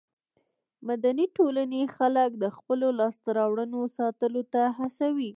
مدني ټولنې خلک د خپلو لاسته راوړنو ساتلو ته هڅوي.